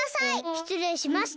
しつれいしました。